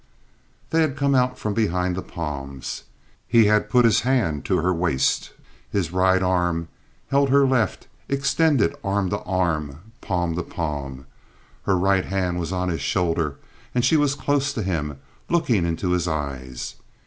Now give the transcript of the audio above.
They had come out from behind the palms. He had put his hand to her waist. His right arm held her left extended arm to arm, palm to palm. Her right hand was on his shoulder, and she was close to him, looking into his eyes.